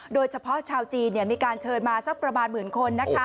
โดยเฉพาะชาวจีนมีการเชิญมาสักประมาณหมื่นคน